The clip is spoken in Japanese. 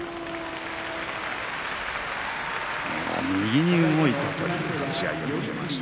右に動いたという立ち合いを見せました。